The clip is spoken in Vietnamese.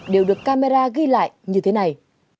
đều được camera ghi lại như thế này